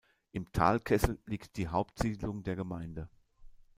Im Talkessel liegt die Hauptsiedlung der Gemeinde.